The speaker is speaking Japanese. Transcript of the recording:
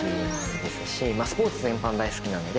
スポーツ全般大好きなので。